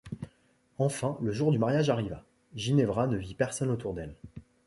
Enfin, le jour du mariage arriva, Ginevra ne vit personne autour d’elle.